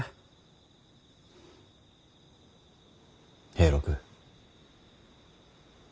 平六。